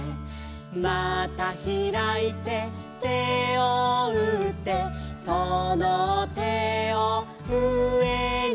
「またひらいて手をうって」「その手をうえに」